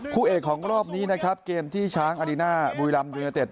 คู่เอกของรอบนี้นะครับเกมที่ช้างอารีน่าบุรีรัมยูเนเต็ด